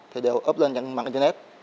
thì đều up lên mạng internet